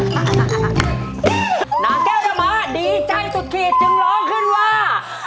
นางแก้วธรรมะดีใจสุดขีดจึงร้องขึ้นว่า